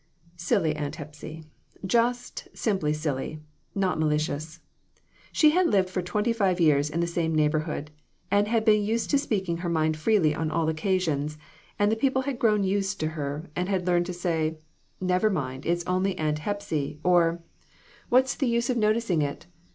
" Silly Aunt Hepsy ! Just simply silly, not mali cious. She had lived for twenty five years in the same neighborhood, and been used to speaking her mind freely on all occasions ; and the people had grown used to her, and had learned to say " Never mind, it is only Aunt Hepsy," or, 152 DON T REPEAT IT. "What's the use of noticing it?